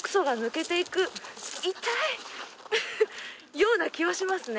ような気はしますね。